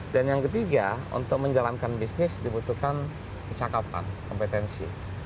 dan yang ketiga untuk menjalankan bisnis dibutuhkan kecakapan kompetensi